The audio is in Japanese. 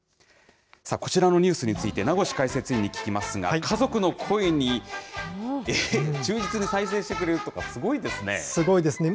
こちらのニュースについて、名越解説委員に聞きますが、家族の声に、忠実に再現してくれるとか、すごいですね。